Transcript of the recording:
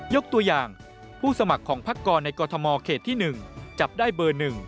ยกตัวอย่างผู้สมัครของพักกรในกรทมเขตที่๑จับได้เบอร์๑